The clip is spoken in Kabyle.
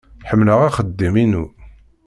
Ḥemmleɣ axeddim-inu.